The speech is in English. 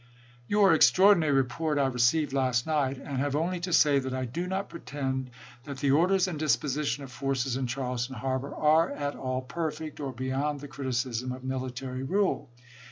Your extraordinary report I received last night, and have only to say that I do not pretend that the orders and disposition of forces in Charleston harbor are at all perfect or beyond the criticism of military rule.